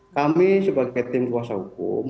kami sebagai tim kuasa hukum